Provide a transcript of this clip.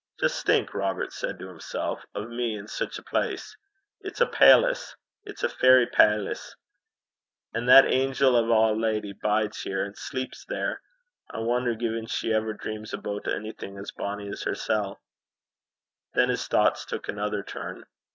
'Just think,' Robert said to himself, 'o' me in sic a place! It's a pailace. It's a fairy pailace. And that angel o' a leddy bides here, and sleeps there! I wonner gin she ever dreams aboot onything as bonny 's hersel'!' Then his thoughts took another turn.